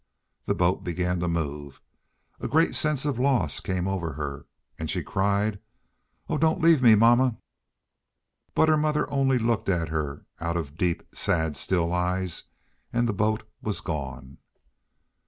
The boat began to move, a great sense of loss came over her, and she cried, "Oh, don't leave me, mamma!" But her mother only looked at her out of deep, sad, still eyes, and the boat was gone.